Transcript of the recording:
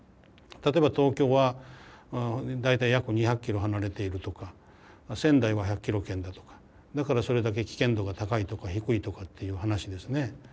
例えば東京は大体約２００キロ離れているとか仙台は１００キロ圏だとかだからそれだけ危険度が高いとか低いとかっていう話ですね。